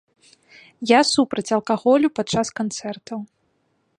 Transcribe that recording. Я супраць алкаголю падчас канцэртаў.